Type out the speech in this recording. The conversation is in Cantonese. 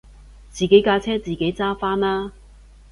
自己架車自己揸返啦